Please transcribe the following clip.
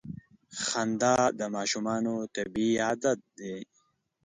• خندا د ماشومانو طبیعي عادت دی.